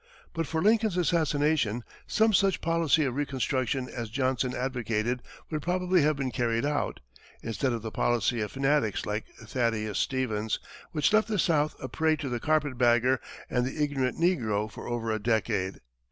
But for Lincoln's assassination, some such policy of reconstruction as Johnson advocated would probably have been carried out, instead of the policy of fanatics like Thaddeus Stevens, which left the South a prey to the carpet bagger and the ignorant negro for over a decade.